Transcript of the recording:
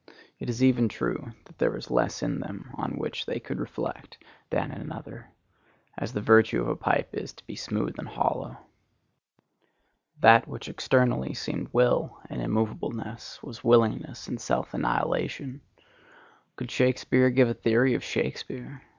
It is even true that there was less in them on which they could reflect than in another; as the virtue of a pipe is to be smooth and hollow. That which externally seemed will and immovableness was willingness and self annihilation. Could Shakspeare give a theory of Shakspeare?